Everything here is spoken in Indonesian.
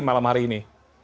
malam hari ini